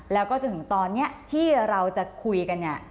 แล้วก็จนถึงตอนนี้ที่เราจะคุยกันเนี่ย